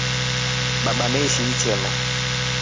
Tata eshi itema.